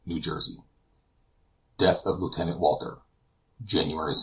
CHAPTER XL DEATH OF LIEUTENANT WALTER JANUARY 7.